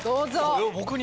これを僕に？